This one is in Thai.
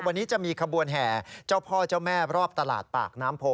วันนี้จะมีขบวนแห่เจ้าพ่อเจ้าแม่รอบตลาดปากน้ำโพ